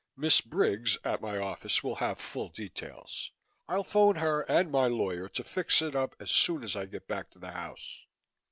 "Miss Briggs at my office will have full details. I'll phone her and my lawyer to fix it up as soon as I get back to the house."